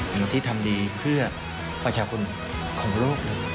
หนูที่ทำดีเพื่อประชาคนของโลกหนึ่ง